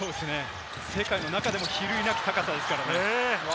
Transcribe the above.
世界の中でも比類なき高さですからね。